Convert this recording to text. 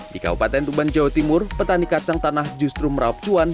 di kabupaten tuban jawa timur petani kacang tanah justru merap cuan